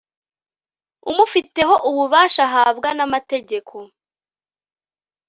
umufiteho ububasha ahabwa n'amategeko